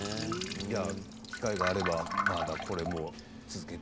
じゃあ機会があればまたこれも続けて。